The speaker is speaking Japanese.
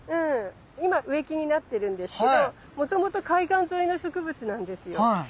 今植木になってるんですけどもともと海岸沿いの植物なんですよ。